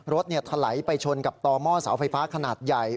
ถลายไปชนกับต่อหม้อเสาไฟฟ้าขนาดใหญ่